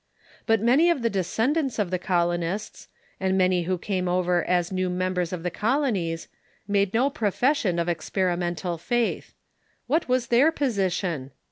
But many of the descendants of the colo nists, and many who came over as new members of the colo nies, made no profession of experimental faith. What was their position?